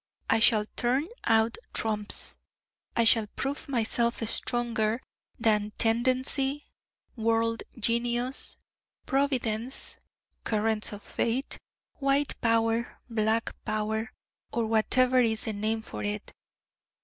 I shall turn out trumps: I shall prove myself stronger than Tendency, World Genius, Providence, Currents of Fate, White Power, Black Power, or whatever is the name for it.